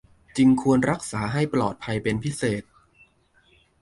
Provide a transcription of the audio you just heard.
จึงควรรักษาให้ปลอดภัยเป็นพิเศษ